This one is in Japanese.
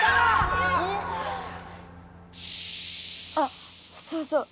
あっそうそう。